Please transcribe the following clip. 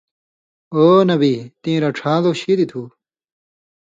او نبی! تیں رڇھان٘لو شِدیۡ تھُو